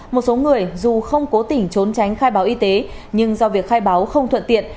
một số người dù không cố tình trốn tránh khai báo y tế nhưng do việc khai báo không thuận tiện